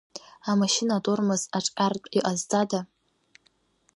Амашьына атормоз аҿҟьартә иҟазҵада?!